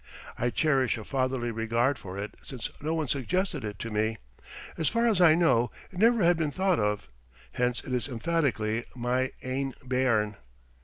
I cherish a fatherly regard for it since no one suggested it to me. As far as I know, it never had been thought of; hence it is emphatically "my ain bairn."